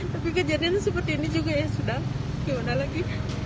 tapi kejadian seperti ini juga ya sudah gimana lagi